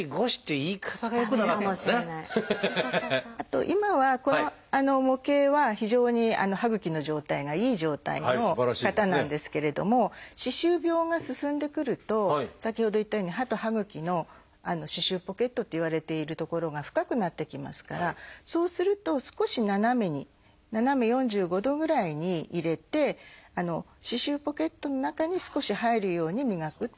あと今はこの模型は非常に歯ぐきの状態がいい状態の方なんですけれども歯周病が進んでくると先ほど言ったように歯と歯ぐきの「歯周ポケット」っていわれている所が深くなってきますからそうすると少し斜めに斜め４５度ぐらいに入れて歯周ポケットの中に少し入るように磨く。